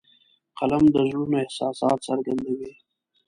قلم د زړونو احساسات څرګندوي